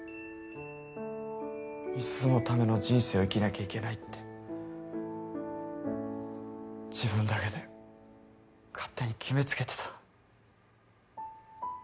美鈴のための人生を生きなきゃいけないって自分だけで勝手に決め付けてた。